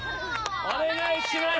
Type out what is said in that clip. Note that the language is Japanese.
お願いします。